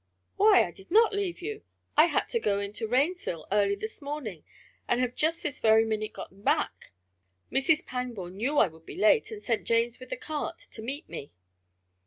"Why, I did not leave you! I had to go into Rainsville early this morning, and have just this very minute gotten back. Mrs. Pangborn knew I would be late and sent James with the cart to meet me."